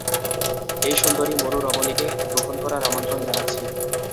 এই সুন্দরী মরু রমণীকে গ্রহণ করার আমন্ত্রণ জানাচ্ছি।